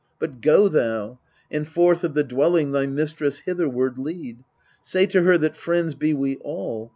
But go thou, and forth of the dwelling Thy mistress hitherward lead. Say to her that friends be we all.